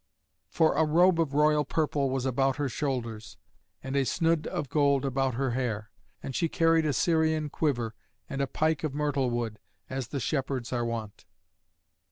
For a robe of royal purple was about her shoulders, and a snood of gold about her hair; and she carried a Syrian quiver and a pike of myrtle wood, as the shepherds are wont.